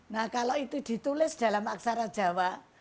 nah kalau itu ditulis dalam aksara jawa